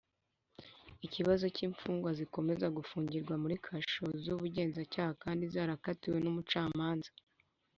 ikibazo cy imfungwa zikomeza gufungirwa muri kasho z ubugenzacyaha kandi zarakatiwe n umucamanza